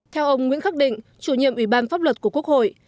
theo ông nguyễn khắc định chủ nhiệm ủy ban pháp luật của quốc hội